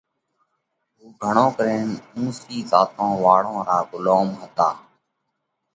اُو گھڻو ڪرينَ اُونسِي ذات واۯون را ڳُلوم هتا۔